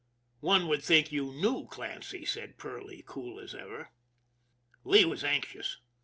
" One would think you kneiv Clancy," said Perley, cool as ever. Lee was anxious.